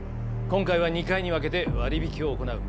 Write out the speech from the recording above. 今回は２回に分けて割り引きを行う。